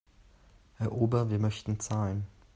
Herr Ober, wir möchten zahlen.